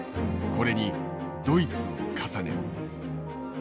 これにドイツを重ねる。